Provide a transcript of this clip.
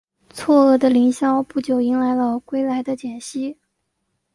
错愕的林萧不久迎来了归来的简溪。